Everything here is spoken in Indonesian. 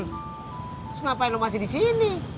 terus ngapain lo masih disini